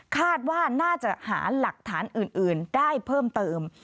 คาดว่าน่าจะหาหลักฐานอื่นได้เพิ่มเติม